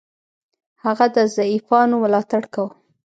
هغه د ضعیفانو ملاتړ کاوه.